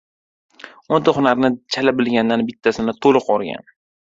• O‘nta hunarni chala bilgandan bittasini to‘liq o‘rgan.